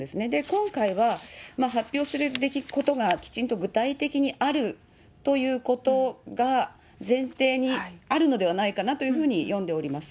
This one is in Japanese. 今回は発表することがきちんと具体的にあるということが前提にあるのではないかなというふうに読んでおります。